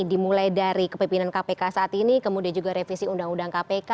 dimulai dari kepemimpinan kpk saat ini kemudian juga revisi undang undang kpk